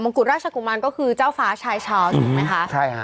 มงกุฎราชกุมันก็คือเจ้าฟ้าชายชาวส์ถูกไหมคะ